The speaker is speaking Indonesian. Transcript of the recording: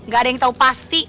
gak ada yang tahu pasti